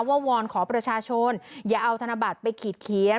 วอนขอประชาชนอย่าเอาธนบัตรไปขีดเขียน